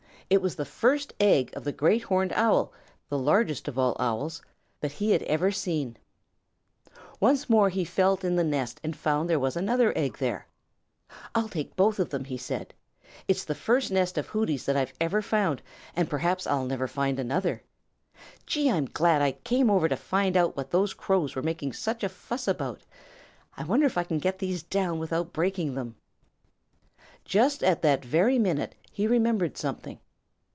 It was the first egg of the Great Horned Owl, the largest of all Owls, that he ever had seen. Once more he felt in the nest and found there was another egg there. "I'll take both of them," said he. "It's the first nest of Hooty's that I've ever found, and perhaps I'll never find another. Gee, I'm glad I came over here to find out what those Crows were making such a fuss about. I wonder if I can get these down without breaking them." Just at that very minute he remembered something.